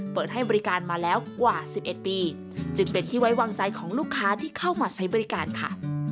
เปิดให้บริการมาแล้วกว่า๑๑ปีจึงเป็นที่ไว้วางใจของลูกค้าที่เข้ามาใช้บริการค่ะ